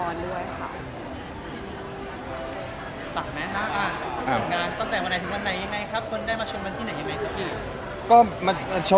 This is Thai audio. ตั้งแต่วันไหนถึงวันไหนนะครับคนได้มาชนที่ไหนไหมครับอีก